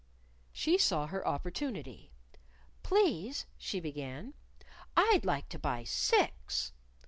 She saw her opportunity. "Please," she began, "I'd like to buy six."